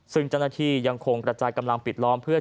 ซึ่งเจ้าหน้าที่ยังคงกระจายกำลังปิดล้อมเพื่อ